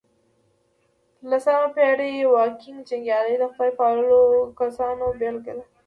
لسمه پېړۍ واکینګ جنګيالي د خدای پالو کسانو بېلګه وه.